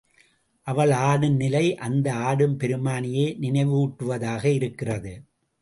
அவள் ஆடும் நிலை அந்த ஆடும் பெருமானையே நினைவூட்டுவதாக இருக்கிறது.